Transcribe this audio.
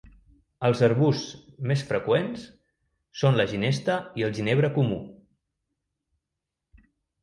Els arbusts més freqüents són la ginesta i el ginebre comú.